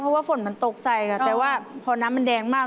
เพราะว่าฝนมันตกใส่ค่ะแต่ว่าพอน้ำมันแดงมาก